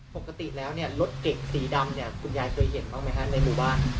ปกติแล้วเนี่ยรถเก่งสีดำเนี่ยคุณยายเคยเห็นบ้างไหมฮะในหมู่บ้าน